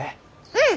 うん！